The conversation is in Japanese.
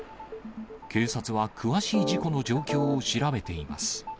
警察は詳しい事故の状況を調べています。